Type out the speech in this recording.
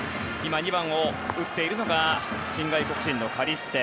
２番を打つのが新外国人のカリステ。